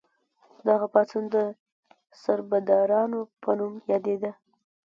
دغه پاڅون د سربدارانو په نوم یادیده.